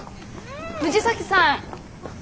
藤崎さん！